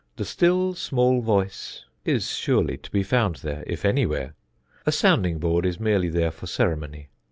The still small voice is surely to be found there, if any where. A sounding board is merely there for ceremony.